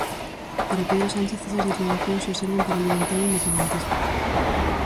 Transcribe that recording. Para Pedro Sánchez esas declaracións só serven para alimentar o independentismo.